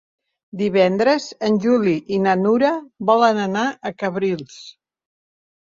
Divendres en Juli i na Nura volen anar a Cabrils.